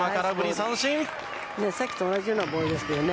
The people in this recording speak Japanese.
さっきと同じようなボールですけどね。